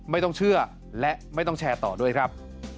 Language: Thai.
ไม่ต้องเชื่อและไม่ต้องแชร์ต่อด้วยครับ